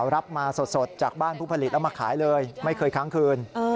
รับมาสดจากบ้านผู้ผลิตแล้วมาขายเลยไม่เคยค้างคืน